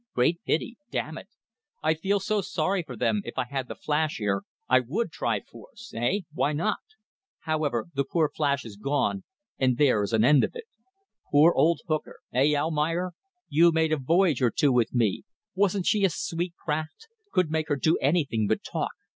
Great pity. Damn it! I feel so sorry for them if I had the Flash here I would try force. Eh! Why not? However, the poor Flash is gone, and there is an end of it. Poor old hooker. Hey, Almayer? You made a voyage or two with me. Wasn't she a sweet craft? Could make her do anything but talk.